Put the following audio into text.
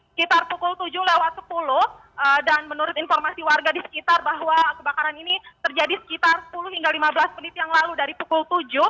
sekitar pukul tujuh lewat sepuluh dan menurut informasi warga di sekitar bahwa kebakaran ini terjadi sekitar sepuluh hingga lima belas menit yang lalu dari pukul tujuh